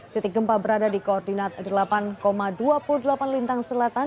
titik gempa berada di koordinat delapan dua puluh delapan lintang selatan